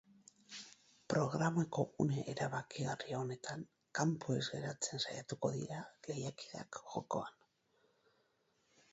Programako une erabakigarri honetan, kanpo ez geratzen saiatuko dira lehiakideak jokoan.